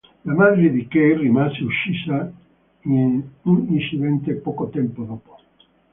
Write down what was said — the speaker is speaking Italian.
La madre di Key rimase uccisa in un incidente poco tempo dopo.